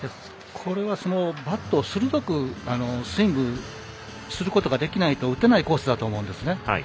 これはバットを鋭くスイングすることができないと打てないコースだと思うんです。